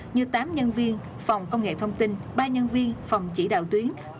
như tám nhân viên phòng công nghệ thông tin ba nhân viên phòng chỉ đạo tuyến